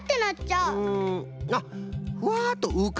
うん。